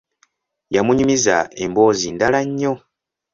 Yamunyumiza emboozi ndala nnyo.